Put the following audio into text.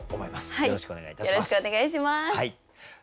よろしくお願いします。